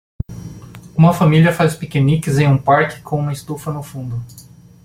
Uma família faz piqueniques em um parque com uma estufa no fundo.